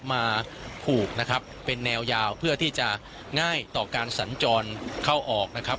มาผูกนะครับเป็นแนวยาวเพื่อที่จะง่ายต่อการสัญจรเข้าออกนะครับ